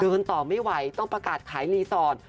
ต่อไม่ไหวต้องประกาศขายรีสอร์ท